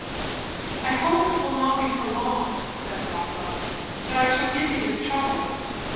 "I hope it will not be for long," said Rotha, "that I shall give you this trouble."